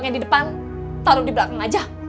yang di depan taruh di belakang aja